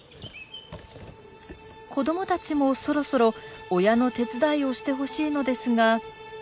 子どもたちもそろそろ親の手伝いをしてほしいのですが。